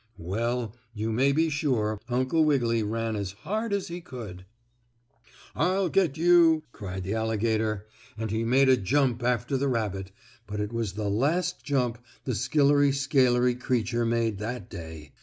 Well, you may be sure Uncle Wiggily ran as hard as he could. "I'll get you!" cried the alligator, and he made a jump after the rabbit, but it was the last jump the skillery scalery creature made that day.